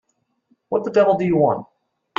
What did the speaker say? What the devil do you want?